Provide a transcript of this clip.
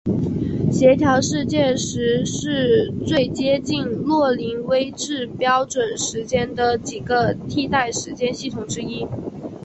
协调世界时是最接近格林威治标准时间的几个替代时间系统之一。